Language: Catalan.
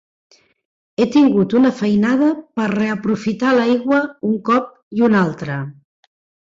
He tingut una feinada per reaprofitar l'aigua un cop i un altre.